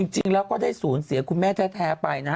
จริงแล้วก็ได้สูญเสียคุณแม่แท้ไปนะฮะ